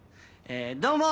どうも！